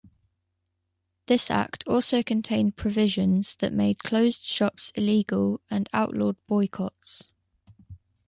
This act also contained provisions that made closed shops illegal and outlawed boycotts.